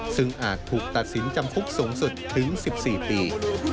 ซึ่งอาจถูกตัดสินจำคุกสูงสุดถึง๑๔ปี